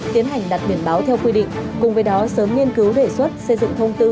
tiến hành đặt biển báo theo quy định cùng với đó sớm nghiên cứu đề xuất xây dựng thông tư